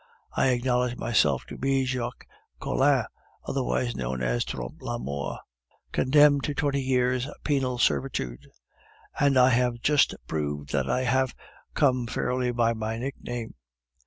"I acknowledge myself to be Jacques Collin, otherwise known as Trompe la Mort, condemned to twenty years' penal servitude, and I have just proved that I have come fairly by my nickname.